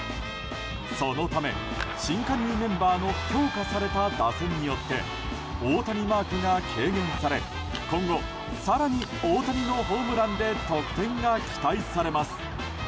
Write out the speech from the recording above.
そのため、新加入メンバーの強化された打線によって大谷マークが軽減され今後、更に大谷のホームランで得点が期待されます。